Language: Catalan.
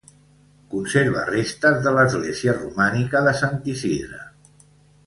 Conserva restes de l'església romànica de sant Isidre.